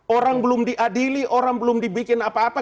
orang belum diadili orang belum dibikin apa apa